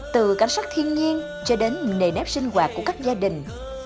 từ cảnh sắc thiên nhiên cho đến nề nếp sinh hoạt của các gia đình